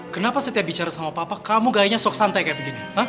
kenapa setiap bicara sama papa kamu gayanya sok santai kayak begini